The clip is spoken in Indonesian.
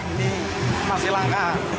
ini masih langka